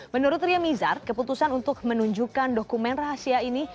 menurut ria mizar keputusan untuk menunjukkan dokumen rahasia ini